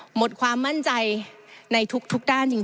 หมดความมั่นใจในทุกด้านจริง